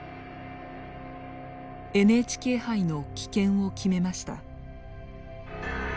ＮＨＫ杯の棄権を決めました。